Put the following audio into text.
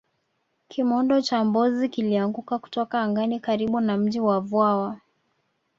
kimondo cha mbozi kilianguka kutoka angani karibu na mji wa vwawa